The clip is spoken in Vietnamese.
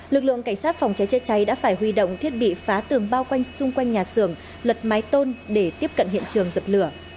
lực lượng cảnh sát phòng cháy chữa cháy đã phải huy động thiết bị phá tường bao quanh xung quanh nhà xưởng lật mái tôn để tiếp cận hiện trường dập lửa